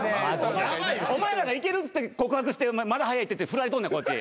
お前らが「いける」っつって告白して「まだ早い」って振られとんねんこっち。